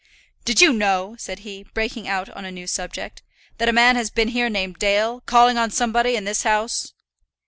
"Did you know," said he, breaking out on a new subject, "that a man had been here named Dale, calling on somebody in this house?"